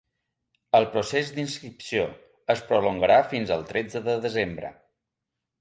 El procés d’inscripció es prolongarà fins al tretze de desembre.